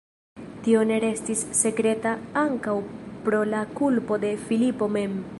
Tio ne restis sekreta ankaŭ pro la kulpo de Filipo mem.